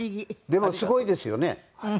でもすごいですよね。